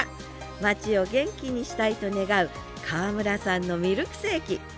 街を元気にしたいと願う川村さんのミルクセーキ。